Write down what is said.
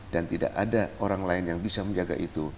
dan tidak ada orang lain yang bisa menjaga itu